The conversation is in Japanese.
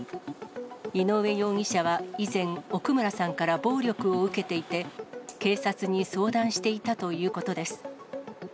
井上容疑者は以前、奥村さんから暴力を受けていて、警察に相談していたということです。